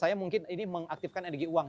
saya mungkin ini mengaktifkan energi uang